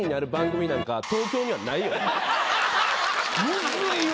むずいわ。